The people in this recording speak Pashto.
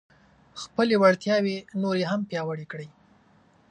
خپلې وړتیاوې نورې هم پیاوړې کړئ.